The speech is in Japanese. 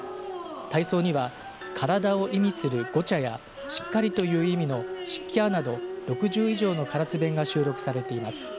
体操には体を意味するごちゃやしっかりという意味のしっきゃーなど６０以上の唐津弁が収録されています。